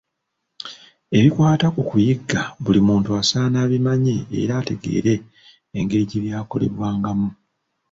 Ebikwata ku kuyigga buli muntu asaana abimanye era ategeera engeri gye byakolebwangamu.